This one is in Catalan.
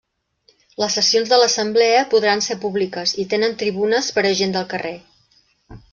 Les sessions de l'Assemblea podran ser públiques i tenen tribunes per a gent del carrer.